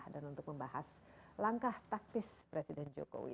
dan untuk membahas langkah taktis presiden jokowi